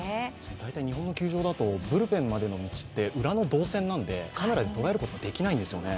大体、日本の球場だとブルペンへの道って裏の導線なんで、カメラで捉えることできないんですよね。